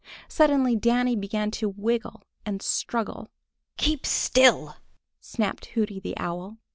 Suddenly Danny began to wriggle and struggle. "Keep still!" snapped Hooty the Owl.